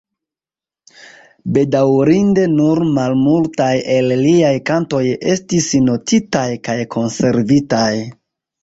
Bedaŭrinde nur malmultaj el liaj kantoj estis notitaj kaj konservitaj.